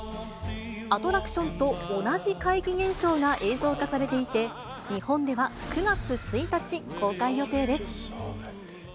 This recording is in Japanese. アトラクションと同じ怪奇現象が映像化されていて日本では９月１日、公開予定です。